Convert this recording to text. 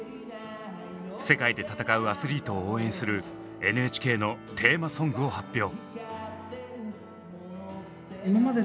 世界で闘うアスリートを応援するＮＨＫのテーマソングを発表。